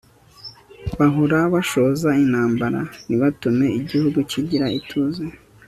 bahora bashoza intambara, ntibatume igihugu kigira ituze